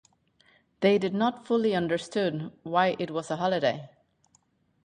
They did not fully understood why it was a holiday.